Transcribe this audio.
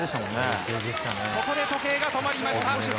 ここで時計が止まりました。